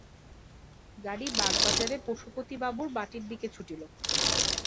গাড়ী বাগবাজারে পশুপতি বাবুর বাটীর দিকে ছুটিল।